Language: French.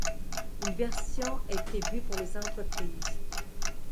Une version de est prévue pour les entreprises.